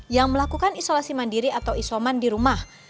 yang melakukan isolasi mandiri atau isoman di rumah